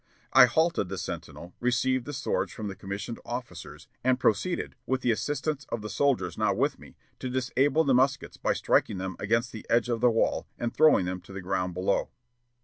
I halted the sentinel, received the swords from the commissioned officers, and proceeded, with the assistance of the soldiers now with me, to disable the muskets by striking them against the edge of the wall, and throwing them to the ground below."